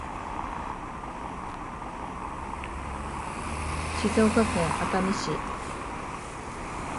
静岡県熱海市